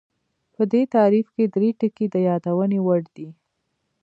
په دې تعریف کې درې ټکي د یادونې وړ دي